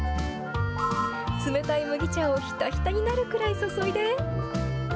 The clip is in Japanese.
冷たい麦茶をひたひたになるくらい注いで。